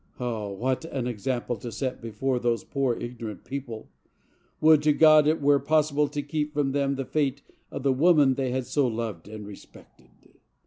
Oh, what an example to set before those poor, ignorant people! Would to God it were pos¬ sible to keep from them the fate of the woman they had so loved and respected.